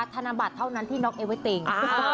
ธนบัตรเท่านั้นที่น็อกเอเวติ่ง